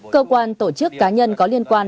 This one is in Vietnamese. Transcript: cơ quan tổ chức cá nhân có liên quan